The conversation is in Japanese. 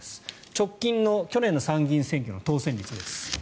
直近の去年の参議院選挙の当選率です。